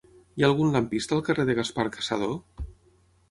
Hi ha algun lampista al carrer de Gaspar Cassadó?